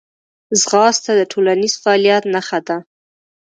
ځغاسته د ټولنیز فعالیت نښه ده